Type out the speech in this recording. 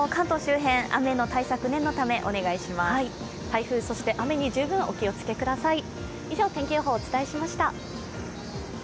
台風、そして雨に十分お気を付けください。